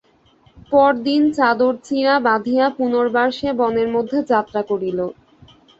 পরদিন চাদরে চিঁড়া বাঁধিয়া পুনর্বার সে বনের মধ্যে যাত্রা করিল।